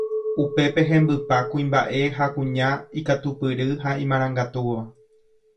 Upépe hembypa kuimba'e ha kuña ikatupyry ha imarangatúva